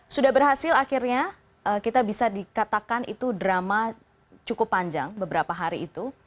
sudah berhasil akhirnya kita bisa dikatakan itu drama cukup panjang beberapa hari itu